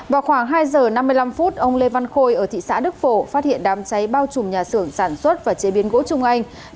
vào khoảng hai giờ năm mươi năm phút ông lê văn khôi ở thị xã đức phổ phát hiện đám cháy bao trùm nhà xưởng sản xuất và chế biến gỗ trung anh